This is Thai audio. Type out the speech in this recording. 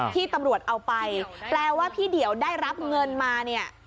ที่ตำรวจเอาไปแปลว่าพี่เดี่ยวได้รับเงินมาเนี่ย